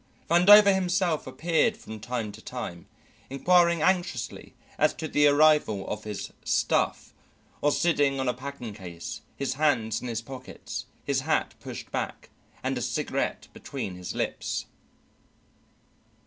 Vandover himself appeared from time to time, inquiring anxiously as to the arrival of his "stuff," or sitting on a packing case, his hands in his pockets, his hat pushed back, and a cigarette between his lips.